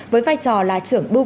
với vai trò là trưởng bưu quảng